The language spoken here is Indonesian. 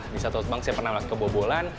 di salah satu bank saya pernah melalui kebobolan